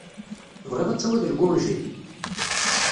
Tebɣiḍ ad tawiḍ lgunji?